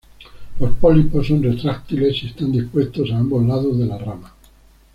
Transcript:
Los pólipos son retráctiles y están dispuestos a ambos lados de las ramas.